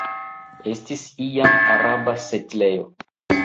Estis iam araba setlejo.